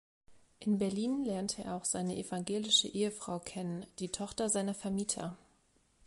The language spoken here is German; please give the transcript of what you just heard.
In Berlin lernte er auch seine evangelische Ehefrau kennen, die Tochter seiner Vermieter.